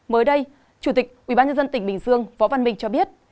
mới đây chủ tịch ubnd tỉnh bình dương võ văn minh cho biết